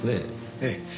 ええ。